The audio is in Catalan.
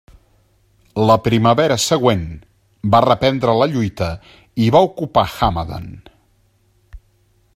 La primavera següent va reprendre la lluita i va ocupar Hamadan.